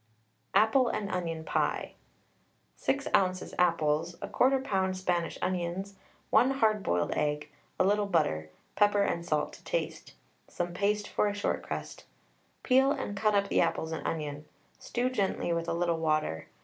APPLE AND ONION PIE. 6 oz. apples, 1/4 lb. Spanish onions, 1 hard boiled egg, a little butter, pepper and salt to taste, some paste for a short crust. Peel and cut up the apples and onion, stew gently with a little water.